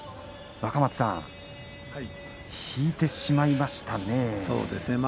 若松さん引いてしまいましたね。